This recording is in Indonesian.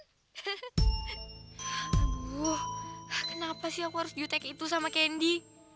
aduh kenapa sih aku harus jutek itu sama kendi